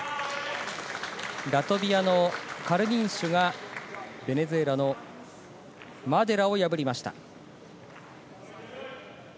ラトビアのカルニンシュがベネズエラのマデラを破りました。